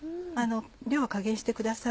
量は加減してください。